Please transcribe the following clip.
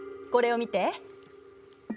これを見て。